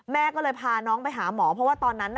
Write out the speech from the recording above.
แม่ก็เลยพาน้องไปหาหมอเพราะว่าตอนนั้นน่ะ